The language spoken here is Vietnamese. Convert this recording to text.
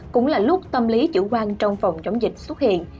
cũng là lúc tâm lý chủ quan trong phòng chống dịch xuất hiện